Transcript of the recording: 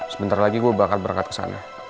sebentar lagi gue bakal berangkat ke sana